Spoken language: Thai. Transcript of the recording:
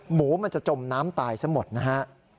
หมูมันจะจมน้ำตายซะหมดนะฮะ